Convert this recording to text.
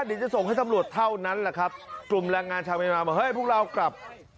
เดี๋ยวจะส่งให้ตำรวจเท่านั้นแหละครับกลุ่มแรงงานชาวเมียนมาบอกเฮ้ยพวกเรากลับ